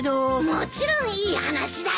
もちろんいい話だよ。